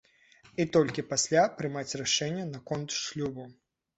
І толькі пасля прымаць рашэнне наконт шлюбу.